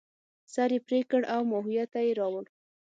سر یې پرې کړ او ماهویه ته یې راوړ.